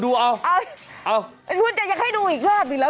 อุ๊ยจะให้ดูอีกครับอีกแล้ว